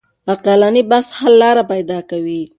عقلاني بحث حل لاره پيدا کوي.